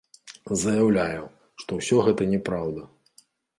Заяўляю, што ўсё гэта няпраўда.